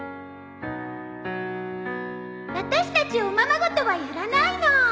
私たちおままごとはやらないの